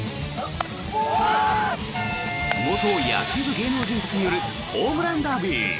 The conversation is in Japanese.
元野球部芸能人たちによるホームランダービー。